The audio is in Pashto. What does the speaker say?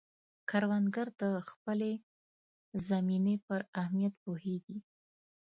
کروندګر د خپلې زمینې پر اهمیت پوهیږي